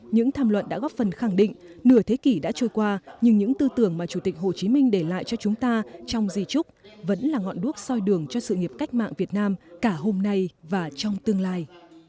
những tham luận đã góp phần khẳng định nửa thế kỷ đã trôi qua nhưng những tư tưởng mà chủ tịch hồ chí minh để lại cho chúng ta trong di trúc vẫn là ngọn đuốc soi đường cho sự nghiệp cách mạng việt nam cả hôm nay và trong tương lai